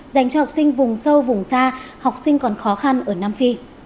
dành cho học sinh vùng sâu vùng xa học sinh còn khó khăn ở nam phi